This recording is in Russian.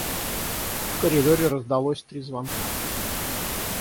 В коридоре раздалось три звонка.